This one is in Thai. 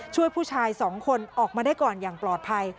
ช่วยผู้ชาย๒คนออกมาได้ก่อนอย่างปลอดภัย